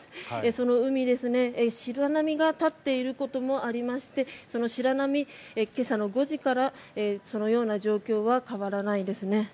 その海ですね、白波が立っていることもありましてその白波、今朝の５時からそのような状況は変わらないです。